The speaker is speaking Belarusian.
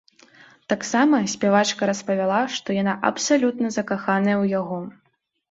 Таксама спявачка распавяла, што яна абсалютна закаханая ў яго.